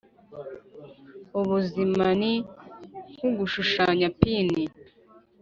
ubuzima ni nkugushushanya pin